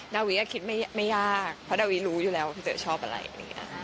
ดาวิคิดไม่ยากเพราะดาวิรู้อยู่แล้วว่าพี่เต๋อชอบอะไรอย่างนี้